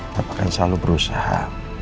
papa kan selalu berusaha